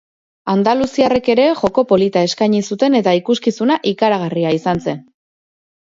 Andaluziarrek ere joko polita eskaini zuten eta ikuskizuna ikaragarria izan zen.